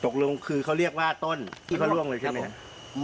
ตกลงคือเขาเรียกว่าต้นคิดว่าล่วงเลยใช่ไหมครับ